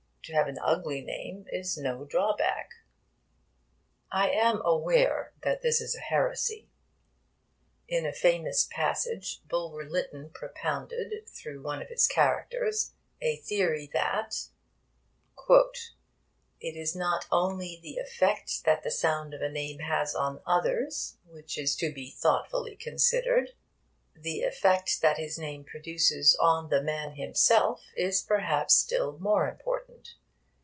To have an 'ugly' name is no drawback. I am aware that this is a heresy. In a famous passage, Bulwer Lytton propounded through one of his characters a theory that 'it is not only the effect that the sound of a name has on others which is to be thoughtfully considered; the effect that his name produces on the man himself is perhaps still more important.